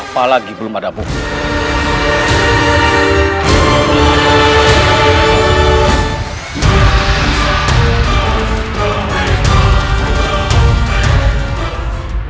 apalagi belum ada buku